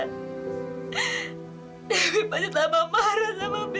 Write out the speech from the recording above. dewi pasti tambah marah sama bibi